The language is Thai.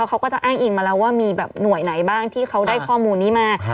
เขาก็จะอ้างอิงมาแล้วว่ามีแบบหน่วยไหนบ้างที่เขาได้ข้อมูลนี้มา